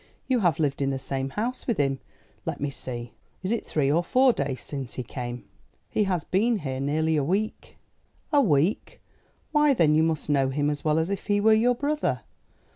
You have lived in the same house with him let me see, is it three or four days since he came?" "He has been here nearly a week." "A week! Why then you must know him as well as if he were your brother.